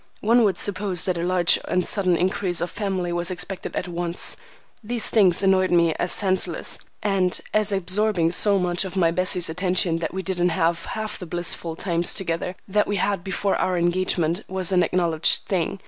One would suppose that a large and sudden increase of family was expected at once. These things annoyed me as senseless, and as absorbing so much of my Bessie's attention that we didn't have half the blissful times together that we had before our engagement was an acknowledged thing.